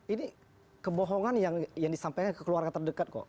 ini kebohongan yang disampaikan ke keluarga terdekat kok